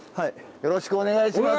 よろしくお願いします。